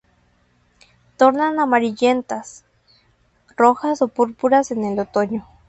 Tornan amarillentas, rojas o púrpuras en el otoño.